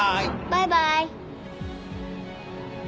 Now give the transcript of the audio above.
バイバイ！